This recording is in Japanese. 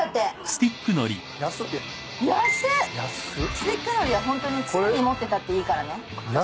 スティックのりはホントに常に持ってたっていいからね。